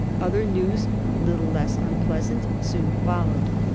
Other news little less unpleasant soon followed.